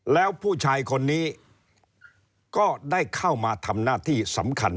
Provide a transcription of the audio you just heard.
แล้วผู้ชายคนนี้ก็ได้เข้ามาทำหน้าที่สำคัญ